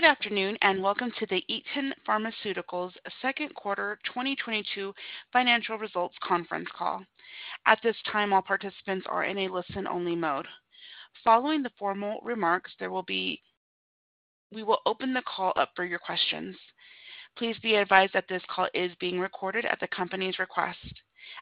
Good afternoon, and welcome to the Eton Pharmaceuticals second quarter 2022 financial results conference call. At this time, all participants are in a listen-only mode. Following the formal remarks, we will open the call up for your questions. Please be advised that this call is being recorded at the company's request.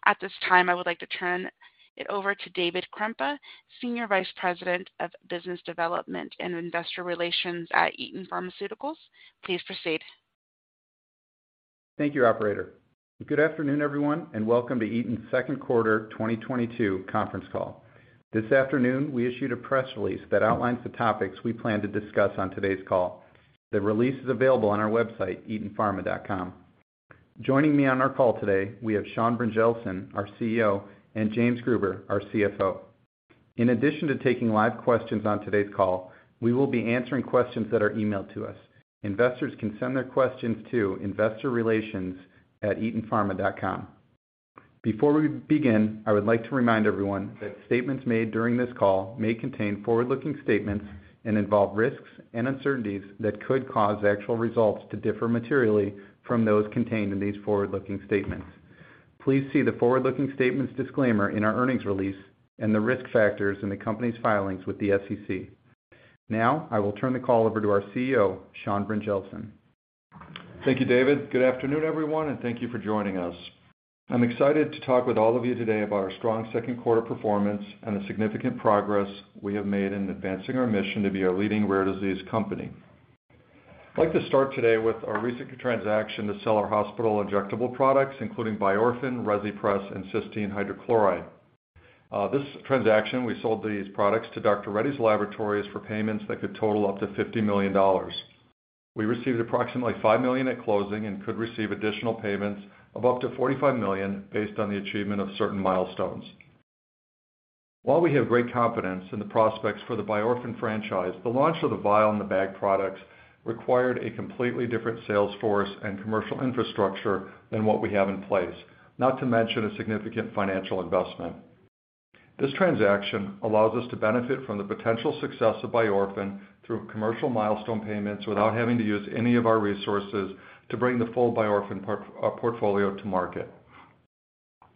At this time, I would like to turn it over to David Krempa, Senior Vice President of Business Development and Investor Relations at Eton Pharmaceuticals. Please proceed. Thank you, operator. Good afternoon, everyone, and welcome to Eton's second quarter 2022 conference call. This afternoon, we issued a press release that outlines the topics we plan to discuss on today's call. The release is available on our website, etonpharma.com. Joining me on our call today, we have Sean Brynjelsen, our CEO, and James Gruber, our CFO. In addition to taking live questions on today's call, we will be answering questions that are emailed to us. Investors can send their questions to investorrelations@etonpharma.com. Before we begin, I would like to remind everyone that statements made during this call may contain forward-looking statements and involve risks and uncertainties that could cause actual results to differ materially from those contained in these forward-looking statements. Please see the forward-looking statements disclaimer in our earnings release and the risk factors in the company's filings with the SEC. Now, I will turn the call over to our CEO, Sean Brynjelsen. Thank you, David. Good afternoon, everyone, and thank you for joining us. I'm excited to talk with all of you today about our strong second quarter performance and the significant progress we have made in advancing our mission to be a leading rare disease company. I'd like to start today with our recent transaction to sell our hospital injectable products, including Biorphen, Rezipres, and Cysteine Hydrochloride. This transaction, we sold these products to Dr. Reddy's Laboratories for payments that could total up to $50 million. We received approximately $5 million at closing and could receive additional payments of up to $45 million based on the achievement of certain milestones. While we have great confidence in the prospects for the Biorphen franchise, the launch of the vial and the bag products required a completely different sales force and commercial infrastructure than what we have in place, not to mention a significant financial investment. This transaction allows us to benefit from the potential success of Biorphen through commercial milestone payments without having to use any of our resources to bring the full Biorphen portfolio to market.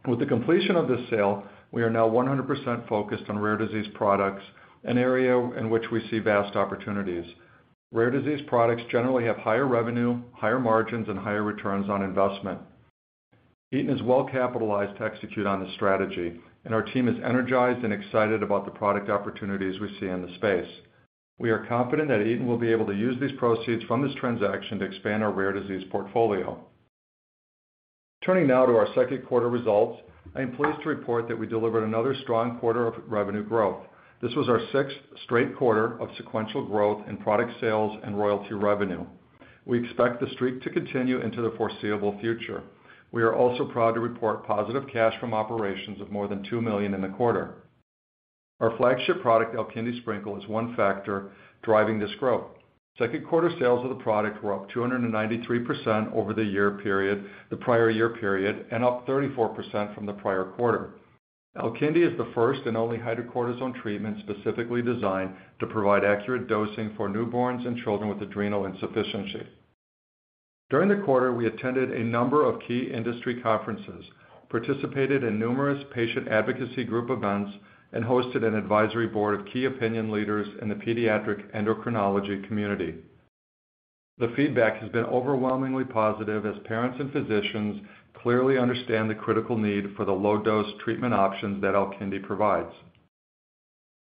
With the completion of this sale, we are now 100% focused on rare disease products, an area in which we see vast opportunities. Rare disease products generally have higher revenue, higher margins, and higher returns on investment. Eton is well-capitalized to execute on this strategy, and our team is energized and excited about the product opportunities we see in the space. We are confident that Eton will be able to use these proceeds from this transaction to expand our rare disease portfolio. Turning now to our second quarter results, I am pleased to report that we delivered another strong quarter of revenue growth. This was our sixth straight quarter of sequential growth in product sales and royalty revenue. We expect the streak to continue into the foreseeable future. We are also proud to report positive cash from operations of more than $2 million in the quarter. Our flagship product, ALKINDI SPRINKLE, is one factor driving this growth. Second quarter sales of the product were up 293% over the prior year period and up 34% from the prior quarter. ALKINDI is the first and only hydrocortisone treatment specifically designed to provide accurate dosing for newborns and children with adrenal insufficiency. During the quarter, we attended a number of key industry conferences, participated in numerous patient advocacy group events, and hosted an advisory board of key opinion leaders in the pediatric endocrinology community. The feedback has been overwhelmingly positive as parents and physicians clearly understand the critical need for the low-dose treatment options that ALKINDI provides.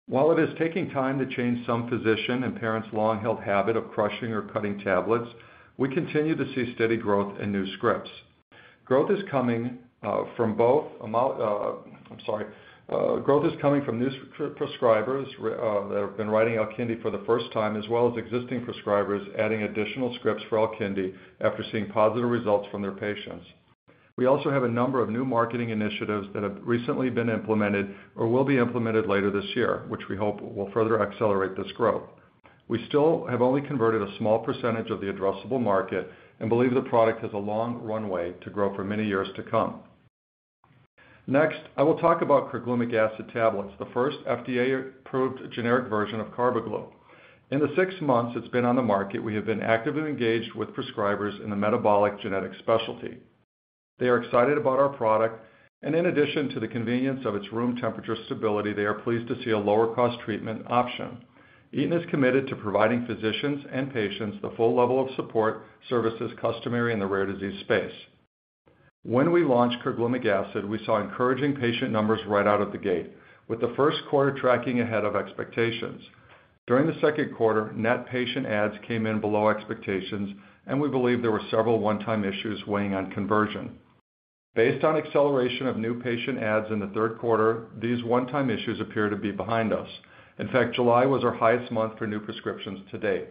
While it is taking time to change some physicians' and parents' long-held habit of crushing or cutting tablets, we continue to see steady growth in new scripts. Growth is coming from new prescribers that have been writing ALKINDI for the first time, as well as existing prescribers adding additional scripts for ALKINDI after seeing positive results from their patients. We also have a number of new marketing initiatives that have recently been implemented or will be implemented later this year, which we hope will further accelerate this growth. We still have only converted a small percentage of the addressable market and believe the product has a long runway to grow for many years to come. Next, I will talk about Carglumic Acid tablets, the first FDA-approved generic version of Carbaglu. In the six months it's been on the market, we have been actively engaged with prescribers in the metabolic genetics specialty. They are excited about our product, and in addition to the convenience of its room temperature stability, they are pleased to see a lower-cost treatment option. Eton is committed to providing physicians and patients the full level of support services customary in the rare disease space. When we launched Carglumic Acid, we saw encouraging patient numbers right out of the gate, with the first quarter tracking ahead of expectations. During the second quarter, net patient adds came in below expectations, and we believe there were several one-time issues weighing on conversion. Based on acceleration of new patient adds in the third quarter, these one-time issues appear to be behind us. In fact, July was our highest month for new prescriptions to date.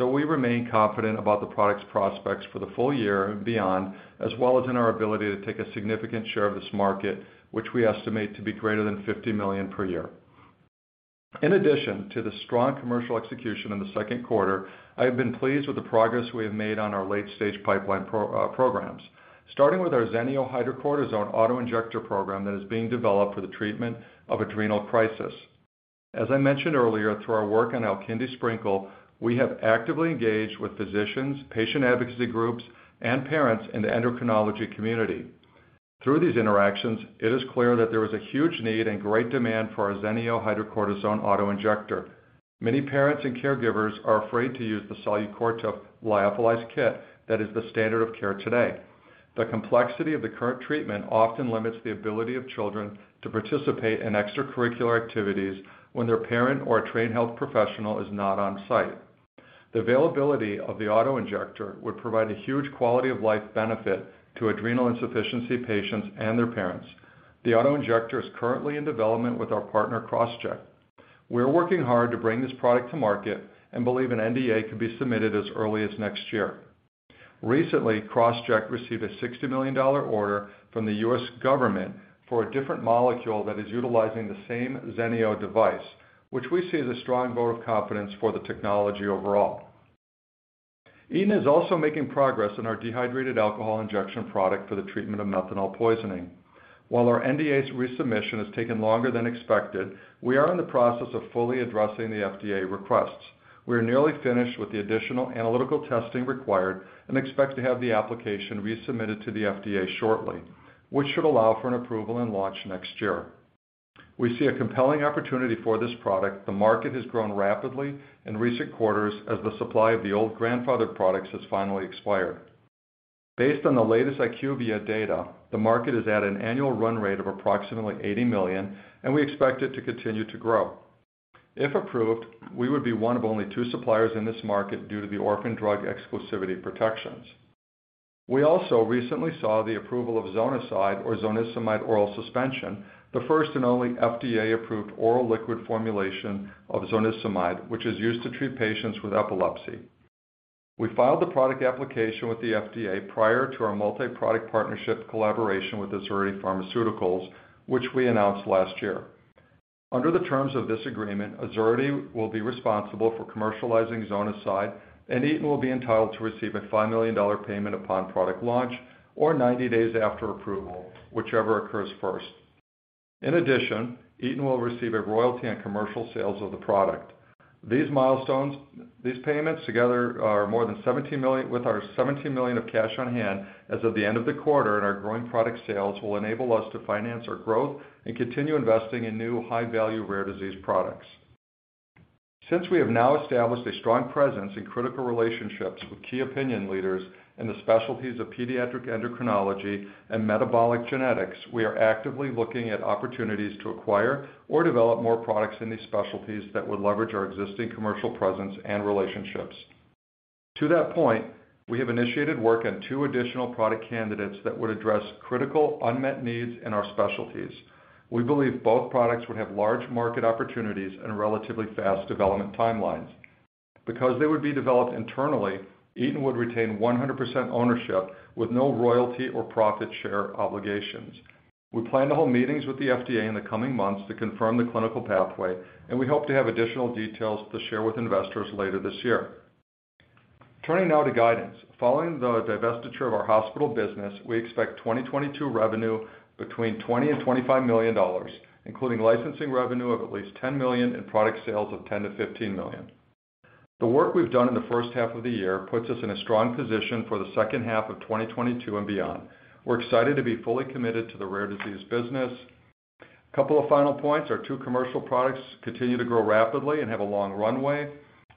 We remain confident about the product's prospects for the full-year and beyond, as well as in our ability to take a significant share of this market, which we estimate to be greater than $50 million per year. In addition to the strong commercial execution in the second quarter, I have been pleased with the progress we have made on our late-stage pipeline programs, starting with our ZENEO Hydrocortisone Autoinjector program that is being developed for the treatment of adrenal crisis. As I mentioned earlier, through our work on ALKINDI SPRINKLE, we have actively engaged with physicians, patient advocacy groups, and parents in the endocrinology community. Through these interactions, it is clear that there is a huge need and great demand for our ZENEO Hydrocortisone Autoinjector. Many parents and caregivers are afraid to use the Solu-Cortef lyophilized kit that is the standard of care today. The complexity of the current treatment often limits the ability of children to participate in extracurricular activities when their parent or a trained health professional is not on-site. The availability of the auto-injector would provide a huge quality-of-life benefit to adrenal insufficiency patients and their parents. The auto-injector is currently in development with our partner, Crossject. We're working hard to bring this product to market and believe an NDA could be submitted as early as next year. Recently, Crossject received a $60 million order from the U.S. government for a different molecule that is utilizing the same ZENEO device, which we see as a strong vote of confidence for the technology overall. Eton is also making progress in our dehydrated alcohol injection product for the treatment of methanol poisoning. While our NDA's resubmission has taken longer than expected, we are in the process of fully addressing the FDA requests. We are nearly finished with the additional analytical testing required and expect to have the application resubmitted to the FDA shortly, which should allow for an approval and launch next year. We see a compelling opportunity for this product. The market has grown rapidly in recent quarters as the supply of the old grandfathered products has finally expired. Based on the latest IQVIA data, the market is at an annual run rate of approximately $80 million, and we expect it to continue to grow. If approved, we would be one of only two suppliers in this market due to the orphan drug exclusivity protections. We also recently saw the approval of Zonisade or zonisamide oral suspension, the first and only FDA-approved oral liquid formulation of zonisamide, which is used to treat patients with epilepsy. We filed the product application with the FDA prior to our multi-product partnership collaboration with Azurity Pharmaceuticals, which we announced last year. Under the terms of this agreement, Azurity will be responsible for commercializing Zonisade, and Eton will be entitled to receive a $5 million payment upon product launch or 90 days after approval, whichever occurs first. In addition, Eton will receive a royalty on commercial sales of the product. These payments together are more than $70 million, with our $17 million of cash on hand as of the end of the quarter, and our growing product sales will enable us to finance our growth and continue investing in new high-value rare disease products. Since we have now established a strong presence in critical relationships with key opinion leaders in the specialties of pediatric endocrinology and metabolic genetics, we are actively looking at opportunities to acquire or develop more products in these specialties that would leverage our existing commercial presence and relationships. To that point, we have initiated work on two additional product candidates that would address critical unmet needs in our specialties. We believe both products would have large market opportunities and relatively fast development timelines. Because they would be developed internally, Eton would retain 100% ownership with no royalty or profit share obligations. We plan to hold meetings with the FDA in the coming months to confirm the clinical pathway, and we hope to have additional details to share with investors later this year. Turning now to guidance. Following the divestiture of our hospital business, we expect 2022 revenue between $20 million-$25 million, including licensing revenue of at least $10 million and product sales of $10 million-$15 million. The work we've done in the first half of the year puts us in a strong position for the second half of 2022 and beyond. We're excited to be fully committed to the rare disease business. A couple of final points. Our two commercial products continue to grow rapidly and have a long runway.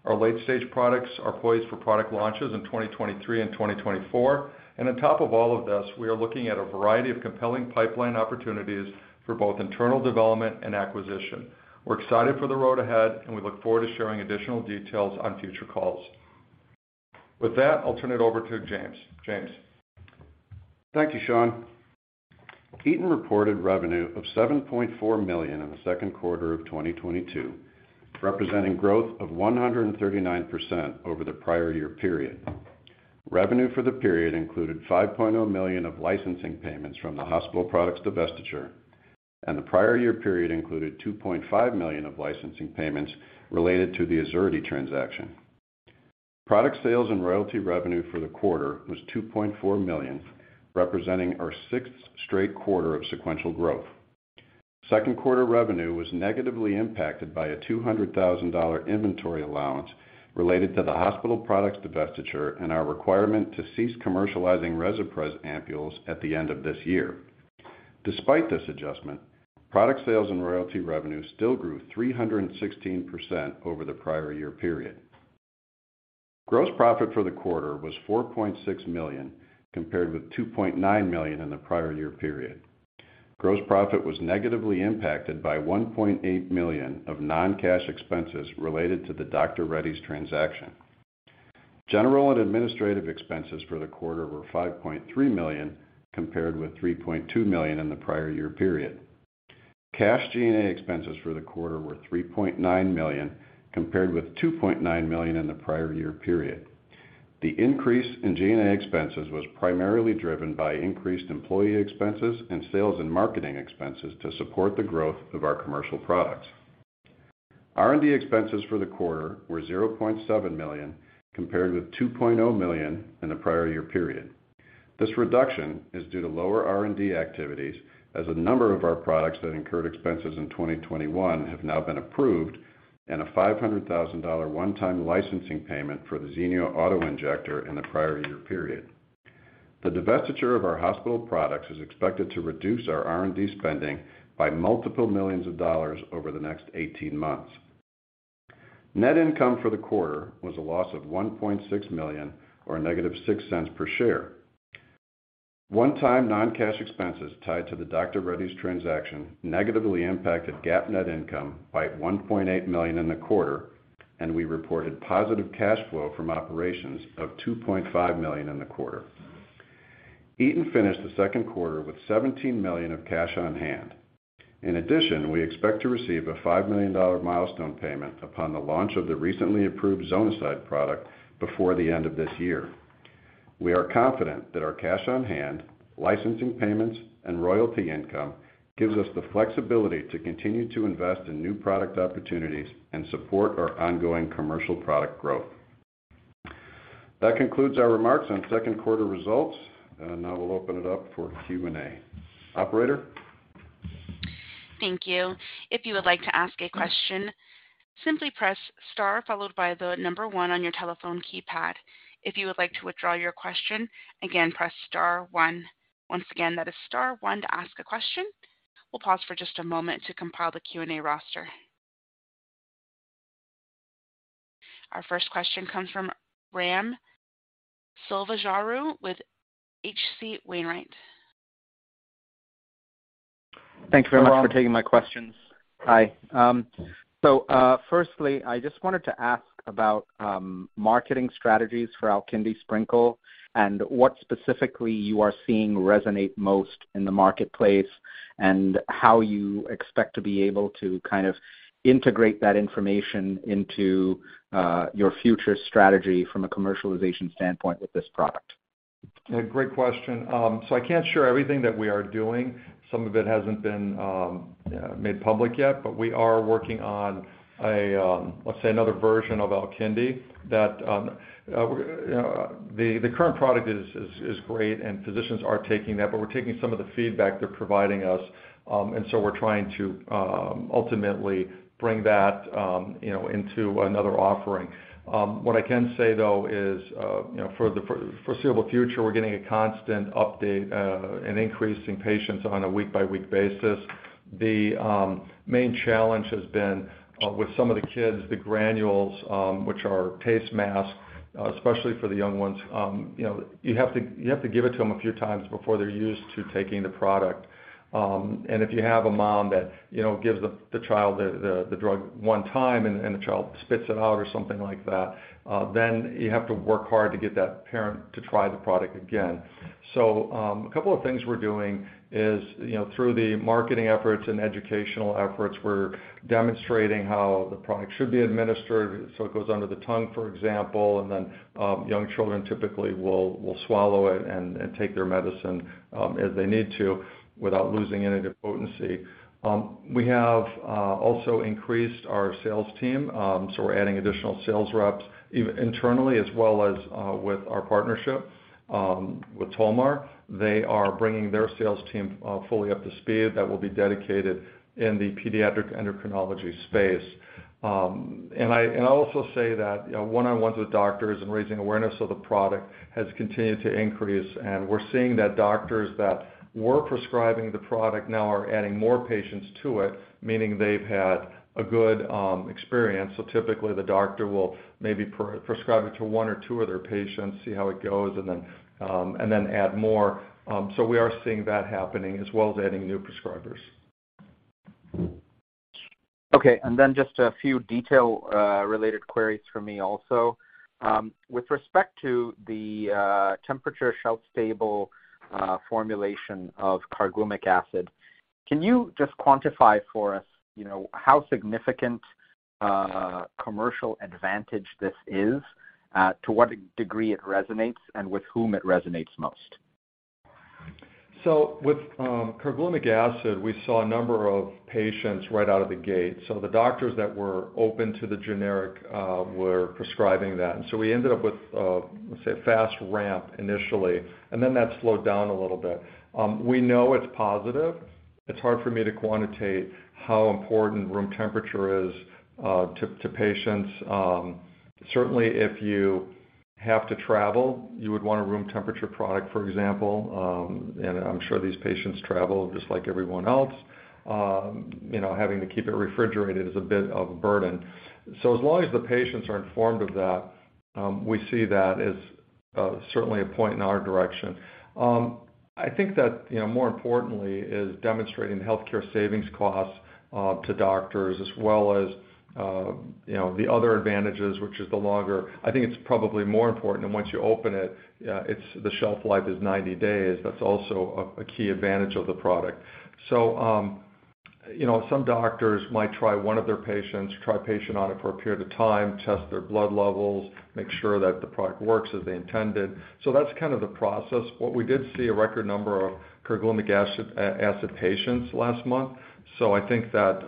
Our late-stage products are poised for product launches in 2023 and 2024. On top of all of this, we are looking at a variety of compelling pipeline opportunities for both internal development and acquisition. We're excited for the road ahead, and we look forward to sharing additional details on future calls. With that, I'll turn it over to James. James. Thank you, Sean. Eton reported revenue of $7.4 million in the second quarter of 2022, representing growth of 139% over the prior year period. Revenue for the period included $5.0 million of licensing payments from the hospital products divestiture, and the prior year period included $2.5 million of licensing payments related to the Azurity transaction. Product sales and royalty revenue for the quarter was $2.4 million, representing our sixth straight quarter of sequential growth. Second quarter revenue was negatively impacted by a $200,000 inventory allowance related to the hospital products divestiture and our requirement to cease commercializing Rezipres ampules at the end of this year. Despite this adjustment, product sales and royalty revenue still grew 316% over the prior year period. Gross profit for the quarter was $4.6 million, compared with $2.9 million in the prior year period. Gross profit was negatively impacted by $1.8 million of non-cash expenses related to the Dr. Reddy's transaction. General and administrative expenses for the quarter were $5.3 million, compared with $3.2 million in the prior year period. Cash G&A expenses for the quarter were $3.9 million, compared with $2.9 million in the prior year period. The increase in G&A expenses was primarily driven by increased employee expenses and sales and marketing expenses to support the growth of our commercial products. R&D expenses for the quarter were $0.7 million, compared with $2.0 million in the prior year period. This reduction is due to lower R&D activities, as a number of our products that incurred expenses in 2021 have now been approved, and a $500,000 one-time licensing payment for the ZENEO auto injector in the prior year period. The divestiture of our hospital products is expected to reduce our R&D spending by multiple millions of dollars over the next 18 months. Net income for the quarter was a loss of $1.6 million, or $-0.06 per share. One-time non-cash expenses tied to the Dr. Reddy's transaction negatively impacted GAAP net income by $1.8 million in the quarter, and we reported positive cash flow from operations of $2.5 million in the quarter. Eton finished the second quarter with $17 million of cash on hand. In addition, we expect to receive a $5 million milestone payment upon the launch of the recently approved Zonisade product before the end of this year. We are confident that our cash on hand, licensing payments, and royalty income gives us the flexibility to continue to invest in new product opportunities and support our ongoing commercial product growth. That concludes our remarks on second quarter results, and now we'll open it up for Q&A. Operator? Thank you. If you would like to ask a question, simply press star followed by the number one on your telephone keypad. If you would like to withdraw your question, again, press star one. Once again, that is star one to ask a question. We'll pause for just a moment to compile the Q&A roster. Our first question comes from Swayampakula Ramakanth with H.C. Wainwright. Thank you very much for taking my questions. Hi. Firstly, I just wanted to ask about marketing strategies for ALKINDI SPRINKLE and what specifically you are seeing resonate most in the marketplace, and how you expect to be able to kind of integrate that information into your future strategy from a commercialization standpoint with this product? Great question. I can't share everything that we are doing. Some of it hasn't been made public yet, but we are working on, let's say, another version of ALKINDI that the current product is great and physicians are taking that, but we're taking some of the feedback they're providing us. We're trying to ultimately bring that, you know, into another offering. What I can say, though, is, you know, for the foreseeable future, we're getting a constant uptake and increasing patients on a week-by-week basis. The main challenge has been with some of the kids, the granules, which are taste-masked, especially for the young ones. You know, you have to give it to them a few times before they're used to taking the product. If you have a mom that, you know, gives the child the drug one time and the child spits it out or something like that, then you have to work hard to get that parent to try the product again. A couple of things we're doing is, you know, through the marketing efforts and educational efforts, we're demonstrating how the product should be administered. It goes under the tongue, for example, and then young children typically will swallow it and take their medicine as they need to without losing any of the potency. We have also increased our sales team. We're adding additional sales reps even internally as well as with our partnership with Tolmar. They are bringing their sales team fully up to speed that will be dedicated in the pediatric endocrinology space. I also say that one-on-one with doctors and raising awareness of the product has continued to increase. We're seeing that doctors that were prescribing the product now are adding more patients to it, meaning they've had a good experience. Typically, the doctor will maybe pre-prescribe it to one or two of their patients, see how it goes, and then add more. We are seeing that happening as well as adding new prescribers. Okay. Just a few detailed related queries from me also. With respect to the temperature shelf stable formulation of Carglumic acid, can you just quantify for us, you know, how significant commercial advantage this is? To what degree it resonates and with whom it resonates most? With Carglumic Acid, we saw a number of patients right out of the gate. The doctors that were open to the generic were prescribing that. We ended up with, let's say, a fast ramp initially, and then that slowed down a little bit. We know it's positive. It's hard for me to quantitate how important room temperature is to patients. Certainly, if you have to travel, you would want a room temperature product, for example. I'm sure these patients travel just like everyone else. You know, having to keep it refrigerated is a bit of a burden. As long as the patients are informed of that, we see that as certainly a point in our direction. I think that, you know, more importantly, is demonstrating healthcare cost savings to doctors as well as, you know, the other advantages, which is the longer. I think it's probably more important, and once you open it's the shelf life is 90 days. That's also a key advantage of the product. You know, some doctors might try a patient on it for a period of time, test their blood levels, make sure that the product works as they intended. That's kind of the process. What we did see a record number of Carglumic Acid patients last month. I think that,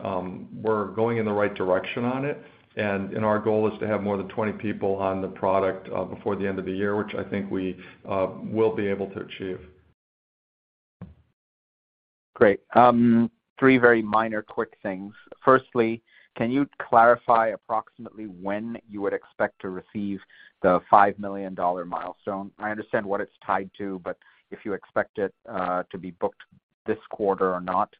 we're going in the right direction on it. Our goal is to have more than 20 people on the product before the end of the year, which I think we will be able to achieve. Great. Three very minor, quick things. Firstly, can you clarify approximately when you would expect to receive the $5 million milestone? I understand what it's tied to, but if you expect it to be booked this quarter or not.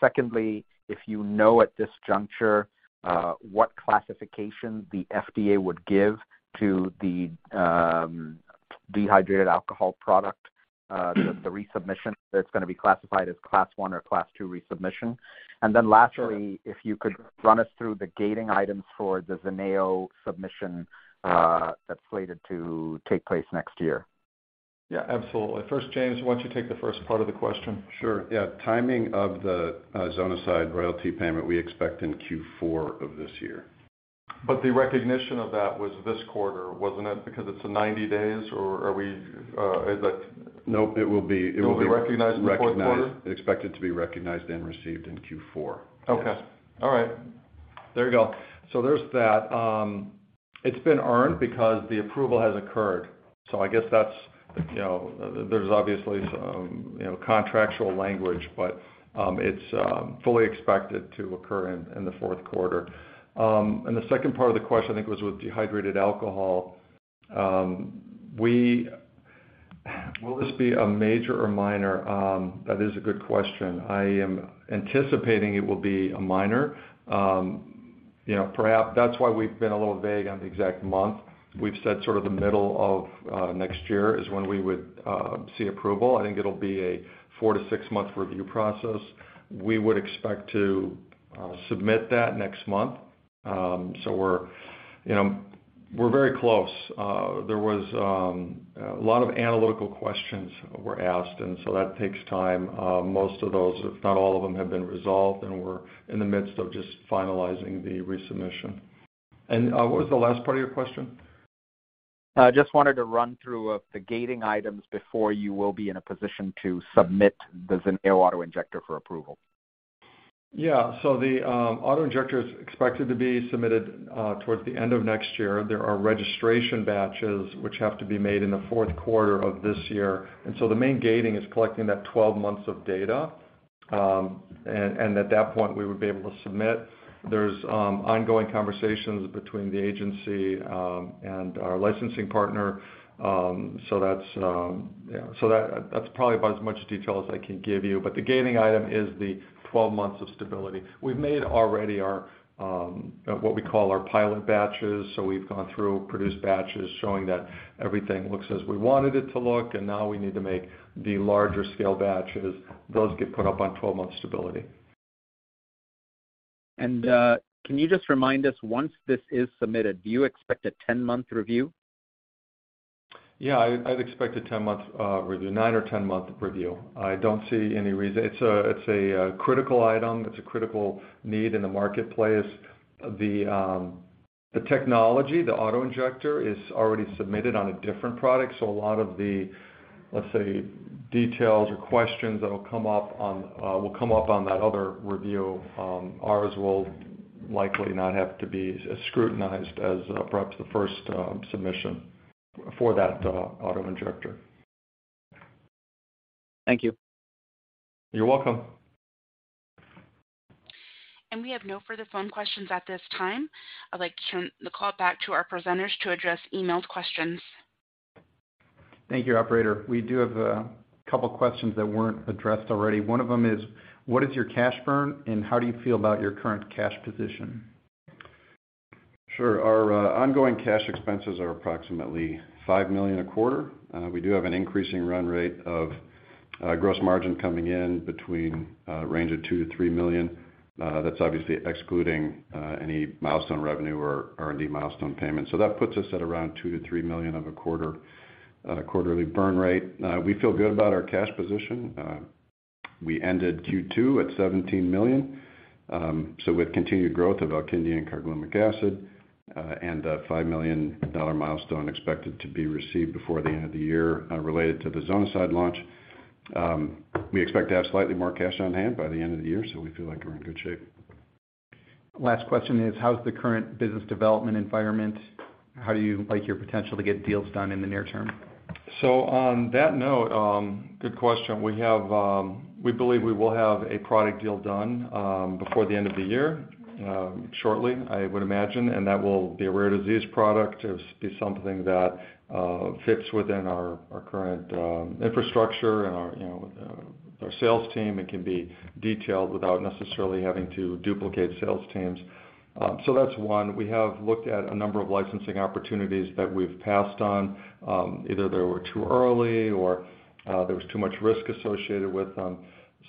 Secondly, if you know at this juncture, what classification the FDA would give to the dehydrated alcohol injection, the resubmission, if it's gonna be classified as Class One or Class Two resubmission. Then lastly- Sure. If you could run us through the gating items for the ZENEO submission, that's slated to take place next year? Yeah, absolutely. First, James, why don't you take the first part of the question? Sure. Yeah, timing of the Zonisade royalty payment, we expect in Q4 of this year. The recognition of that was this quarter, wasn't it? Because it's a 90 days, or are we, is that... Nope, it will be. It will be recognized in the fourth quarter? Recognized. Expected to be recognized and received in Q4. Okay. All right. There you go. There's that. It's been earned because the approval has occurred. I guess that's, you know, there's obviously some, you know, contractual language, but it's fully expected to occur in the fourth quarter. The second part of the question, I think, was with dehydrated alcohol. Will this be a major or minor, that is a good question. I am anticipating it will be a minor. You know, perhaps that's why we've been a little vague on the exact month. We've said sort of the middle of next year is when we would see approval. I think it'll be a four to six-month review process. We would expect to submit that next month. We're, you know, very close. There was a lot of analytical questions were asked, and so that takes time. Most of those, if not all of them, have been resolved, and we're in the midst of just finalizing the resubmission. What was the last part of your question? I just wanted to run through of the gating items before you will be in a position to submit the ZENEO autoinjector for approval. Yeah. The auto-injector is expected to be submitted towards the end of next year. There are registration batches which have to be made in the fourth quarter of this year. The main gating is collecting that 12 months of data. At that point, we would be able to submit. There's ongoing conversations between the agency and our licensing partner. That's yeah. That's probably about as much detail as I can give you. The gating item is the 12 months of stability. We've made already our what we call our pilot batches. We've gone through, produced batches showing that everything looks as we wanted it to look, and now we need to make the larger-scale batches. Those get put up on 12-month stability. Can you just remind us, once this is submitted, do you expect a 10-month review? Yeah, I'd expect a 10-month review, nine or 10-month review. I don't see any reason. It's a critical item. It's a critical need in the marketplace. The technology, the auto-injector, is already submitted on a different product, so a lot of the, let's say, details or questions that will come up on that other review, ours will likely not have to be as scrutinized as perhaps the first submission for that auto-injector. Thank you. You're welcome. We have no further phone questions at this time. I'd like to turn the call back to our presenters to address emailed questions. Thank you, operator. We do have a couple of questions that weren't addressed already. One of them is: What is your cash burn, and how do you feel about your current cash position? Sure. Our ongoing cash expenses are approximately $5 million a quarter. We do have an increasing run rate of gross margin coming in in the range of $2 million-$3 million. That's obviously excluding any milestone revenue or R&D milestone payments. That puts us at around $2 million-$3 million a quarter quarterly burn rate. We feel good about our cash position. We ended Q2 at $17 million. With the continued growth of ALKINDI and Carglumic Acid and the $5 million milestone expected to be received before the end of the year related to the Zonisade launch, we expect to have slightly more cash on hand by the end of the year. We feel like we're in good shape. Last question is: How's the current business development environment? How do you like your potential to get deals done in the near term? On that note, good question. We have, we believe we will have a product deal done, before the end of the year, shortly, I would imagine, and that will be a rare disease product. It'll be something that fits within our current infrastructure and our, you know, our sales team. It can be detailed without necessarily having to duplicate sales teams. That's one. We have looked at a number of licensing opportunities that we've passed on, either they were too early or there was too much risk associated with them.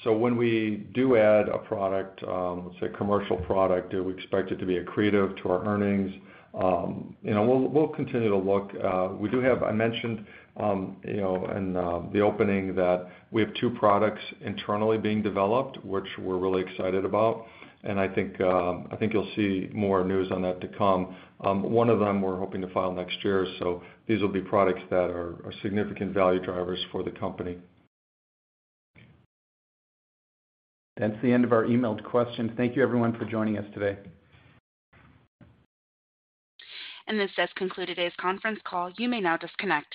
When we do add a product, say a commercial product, do we expect it to be accretive to our earnings? You know, we'll continue to look. We do have, I mentioned, you know, in the opening, that we have two products internally being developed, which we're really excited about. I think you'll see more news on that to come. One of them we're hoping to file next year, so these will be products that are significant value drivers for the company. That's the end of our emailed questions. Thank you everyone, for joining us today. This does conclude today's conference call. You may now disconnect.